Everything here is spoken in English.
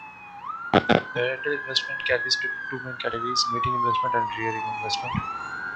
Parental investment can be split into two main categories: mating investment and rearing investment.